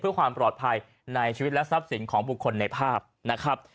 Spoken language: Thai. เพื่อความปลอดภัยในชีวิตและทรัพย์สินของบุคคลในภาพนะครับ